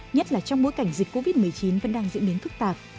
nhất là trong bối cảnh dịch covid một mươi chín vẫn đang diễn biến phức tạp